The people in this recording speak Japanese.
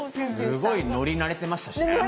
すごい乗り慣れてましたしね。